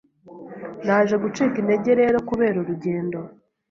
Naje gucika intege rero kubera urugendo